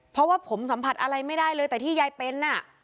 เพราะว่าผมสัมผัสอะไรไม่ได้เลยแต่ที่ยายเป็นน่ะ